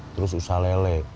terus usah lele